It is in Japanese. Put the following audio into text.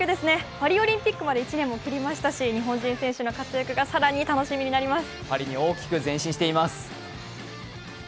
パリオリンピックまで１年を切りましたし、日本人選手の活躍が更に楽しみになります。